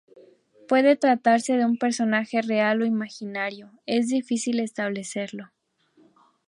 Puede tratarse de un personaje real o imaginario, es difícil establecerlo.